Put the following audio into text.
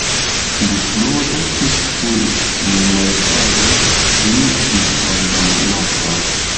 Pli frue estis Memortago pri la kristala nokto.